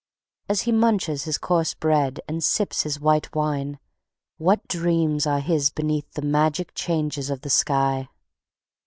As he munches his coarse bread and sips his white wine, what dreams are his beneath the magic changes of the sky!